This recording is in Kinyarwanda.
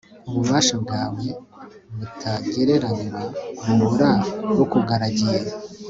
ububasha bwawe butagereranywa buhora bukugaragiye